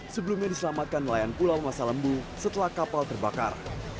sebelumnya diselamatkan nelayan pulau masa lembul setelah kapal terbakar